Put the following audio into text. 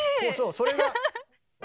それが。